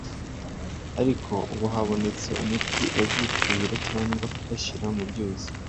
ariko ubu habonetse umuti bazifuhira cyangwa bashyira mu byuzi